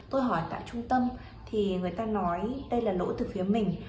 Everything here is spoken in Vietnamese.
tôi hỏi tại trung tâm thì người ta nói đây là lỗi từ phía mình